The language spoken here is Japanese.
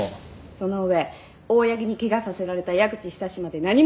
その上大八木に怪我させられた矢口久志まで何もしゃべらない。